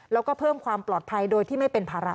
แล้วก็เพิ่มความปลอดภัยโดยที่ไม่เป็นภาระ